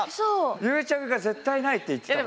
ゆうちゃみが絶対ないって言ってたよ。